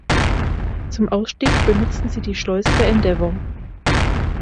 Zum Ausstieg benutzten sie die Schleuse der Endeavour.